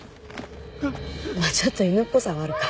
まあちょっと犬っぽさはあるか。